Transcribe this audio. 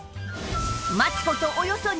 待つ事およそ２０分。